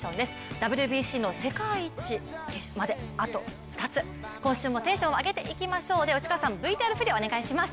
ＷＢＣの世界一まであと２つ、今週もテンション上げていきましょう、内川さんＶＴＲ振りお願いします！